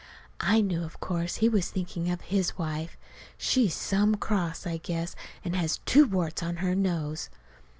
I knew, of course, he was thinking of his wife. She's some cross, I guess, and has two warts on her nose.